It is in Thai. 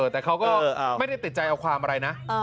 แต่เขาก็ไม่ได้ติดใจเอาความอะไรนะ